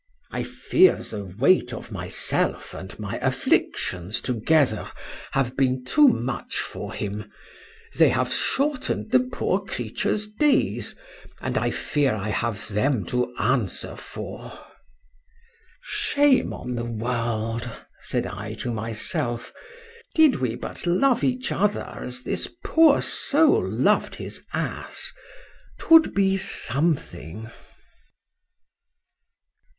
—I fear the weight of myself and my afflictions together have been too much for him,—they have shortened the poor creature's days, and I fear I have them to answer for.—Shame on the world! said I to myself.—Did we but love each other as this poor soul loved his ass—'twould be something.